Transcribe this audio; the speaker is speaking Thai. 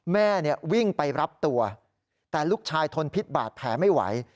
แม่วิ่งไปรับตัวแต่ลูกชายทนพิษบาดแผลไม่ไหว